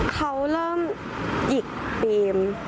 เขาเริ่มหยิกเกม